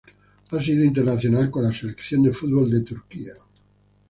Ha sido internacional con la selección de fútbol de Turquía.